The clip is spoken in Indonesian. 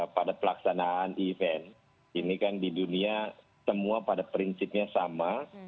pada pelaksanaan event ini kan di dunia semua pada prinsipnya sama